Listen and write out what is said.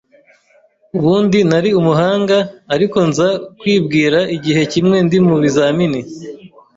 ubundi nari umuhanga, ariko nza kwibwira igihe kimwe ndi mu bizamini